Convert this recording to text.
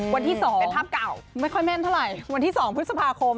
วันที่๒เป็นภาพเก่าไม่ค่อยแม่นเท่าไหร่วันที่๒พฤษภาคม